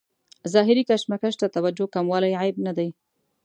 ظاهري کشمکش ته توجه کموالی عیب نه دی.